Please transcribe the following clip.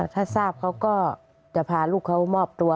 ถ้าทราบเขาก็จะพาลูกเขามอบตัว